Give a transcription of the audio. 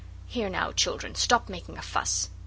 Here now, children, stop making a fuss.